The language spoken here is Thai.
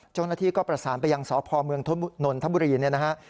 จ้องนัทธิก็ประสานไปยังสอบภมืองถ้ามุรีนนะฮะ